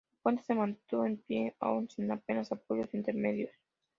El puente se mantuvo en pie aún sin apenas apoyos intermedios.